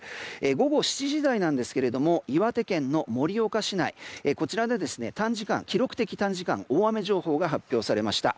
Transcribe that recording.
午後７時台なんですが岩手県の盛岡市内で記録的短時間大雨情報が発表されました。